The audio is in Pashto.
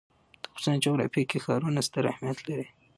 د افغانستان جغرافیه کې ښارونه ستر اهمیت لري.